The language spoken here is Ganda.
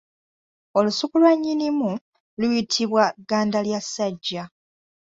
Olusuku lwa nnyinimu luyitibwa ggandalyassajja.